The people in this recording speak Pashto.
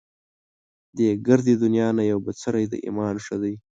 دې ګردې دنيا نه يو بڅری د ايمان ښه دی